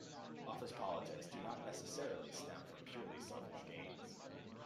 Office politics do not necessarily stem from purely selfish gains.